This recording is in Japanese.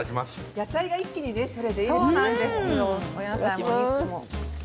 野菜が一気にとれていいですね。